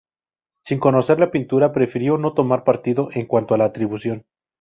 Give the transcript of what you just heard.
Sin conocer la pintura, prefirió no tomar partido en cuanto a la atribución.